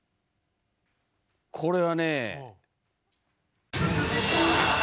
これはね。